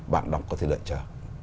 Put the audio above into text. bạn đọc có thể đợi chờ